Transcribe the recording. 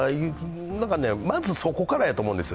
まず、そこからやと思うんです。